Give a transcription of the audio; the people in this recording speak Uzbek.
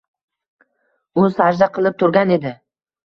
U sajda qilib turgan edi”